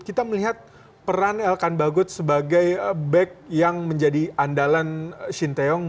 kita melihat peran elkan bagot sebagai back yang menjadi andalan shin taeyong